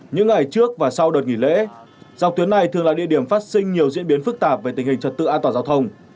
những ngày trước và sau đợt nghỉ lễ dọc tuyến này thường là địa điểm phát sinh nhiều diễn biến phức tạp về tình hình trật tự an toàn giao thông